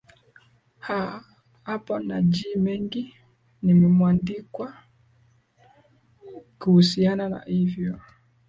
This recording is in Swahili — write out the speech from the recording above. aa hapana nayii mengi yamweandikwa kuhusiana na hivyo